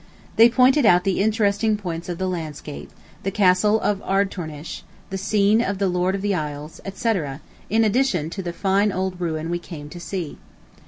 They pointed out the interesting points in the landscape, the Castle of Ardtornish, the scene of Lord of the Isles, etc., in addition to the fine old ruin we came to see.